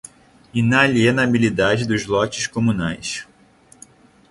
inalienabilidade dos lotes comunais